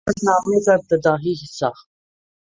سفر نامے کا ابتدائی حصہ